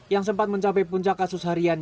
yang sempat mencapai puncak kasus harian